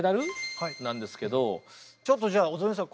ちょっとじゃあ小曽根さん